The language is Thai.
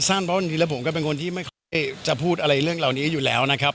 เพราะจริงแล้วผมก็เป็นคนที่ไม่ค่อยจะพูดอะไรเรื่องเหล่านี้อยู่แล้วนะครับ